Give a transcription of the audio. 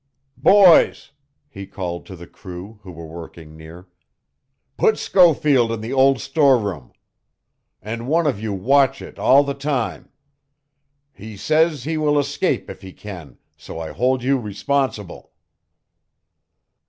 "Boys," he called to the crew who were working near, "put Schofield in the old storeroom. And one of you watch it all the time. He says he will escape if he can, so I hold you responsible."